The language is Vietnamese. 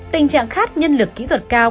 tình trạng khác nhân lực kỹ thuật cao